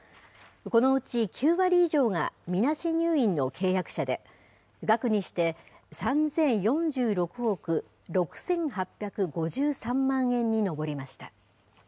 このうち９割以上が、みなし入院の契約者で、額にして３０４６億６８５３万円に上りました。